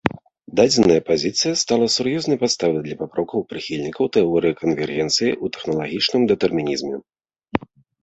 Дадзеная пазіцыя стала сур'ёзнай падставай для папрокаў прыхільнікаў тэорыі канвергенцыі ў тэхналагічным дэтэрмінізме.